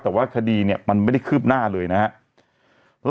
แต่ว่าคดีเนี่ยมันไม่ได้คืบหน้าเลยนะครับ